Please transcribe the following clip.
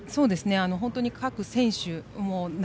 本当に各選手